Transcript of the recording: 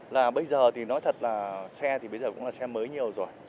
là bây giờ thì nói thật là xe thì bây giờ cũng là xe mới nhiều rồi